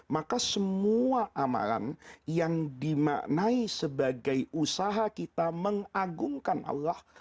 maka semua amalan yang dimaknai sebagai usaha kita mengagumkan allah